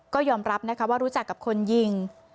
ก็ยอมรับนะคะว่ารู้จักกับคนยิง